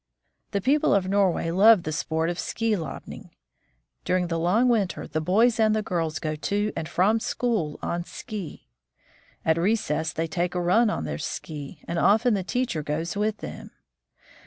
The people of Norway love the sport of ski lobning. During the long winter the boys and the girls go to and from school on ski. At recess they take a run on their ski, and often the teacher goes with them.